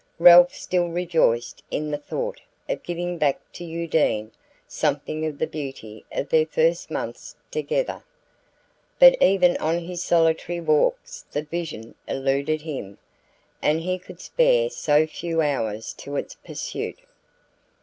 Ralph still rejoiced in the thought of giving back to Undine something of the beauty of their first months together. But even on his solitary walks the vision eluded him; and he could spare so few hours to its pursuit!